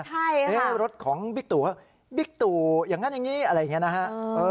ใช่ค่ะรถของบิ๊กตูบิ๊กตู่อย่างนั้นอย่างนี้อะไรอย่างนี้นะฮะ